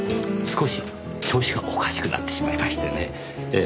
少し調子がおかしくなってしまいましてね。